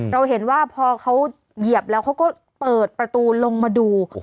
เราเห็นว่าพอเขาเหยียบแล้วเขาก็เปิดประตูลงมาดู